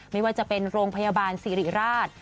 ไม่ว่าจะเป็นโรงพยาบาลสิริราช